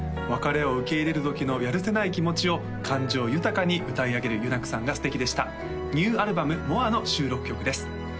別れを受け入れるときのやるせない気持ちを感情豊かに歌い上げるユナクさんが素敵でしたニューアルバム「ｍｏｒｅ．．．」の収録曲です